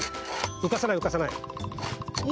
うかさないうかさない。